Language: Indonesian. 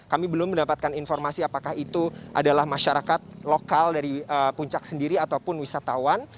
kami belum mendapatkan informasi apakah itu adalah masyarakat lokal dari puncak sendiri ataupun wisatawan